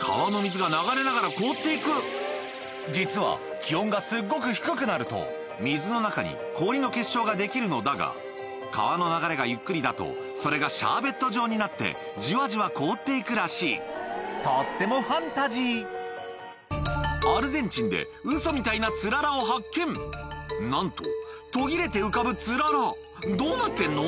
川の水が流れながら凍って行く実は気温がすっごく低くなると水の中に氷の結晶が出来るのだが川の流れがゆっくりだとそれがシャーベット状になってじわじわ凍って行くらしいとってもファンタジーウソみたいなつららを発見何と途切れて浮かぶつららどうなってんの？